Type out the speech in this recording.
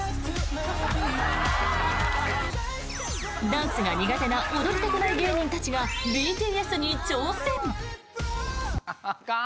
ダンスが苦手な踊りたくない芸人たちがＢＴＳに挑戦！